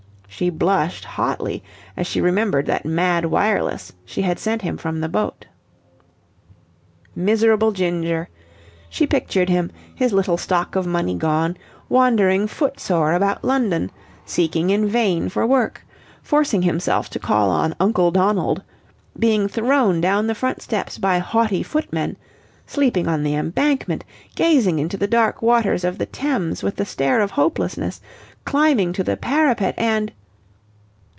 She blushed hotly as she remembered that mad wireless she had sent him from the boat. Miserable Ginger! She pictured him, his little stock of money gone, wandering foot sore about London, seeking in vain for work; forcing himself to call on Uncle Donald; being thrown down the front steps by haughty footmen; sleeping on the Embankment; gazing into the dark waters of the Thames with the stare of hopelessness; climbing to the parapet and...